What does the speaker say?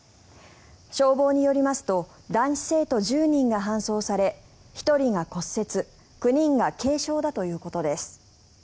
消防によりますと男子生徒１０人が搬送され１人が骨折、９人が軽傷だということです。